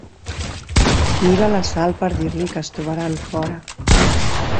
Mira la Sal per dir-li que es trobaran fora.